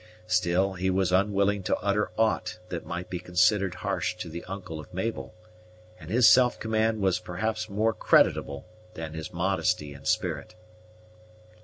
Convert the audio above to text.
Still he was unwilling to utter aught that might be considered harsh to the uncle of Mabel; and his self command was perhaps more creditable than his modesty and spirit.